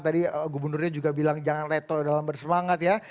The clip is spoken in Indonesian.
tadi gubernurnya juga bilang jangan retol dalam bersemangat ya